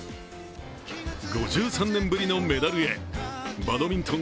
５３年ぶりのメダルへバドミントン